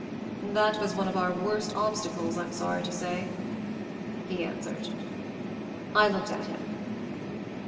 "That was one of our worst obstacles, I'm sorry to say," he answered. I looked at him.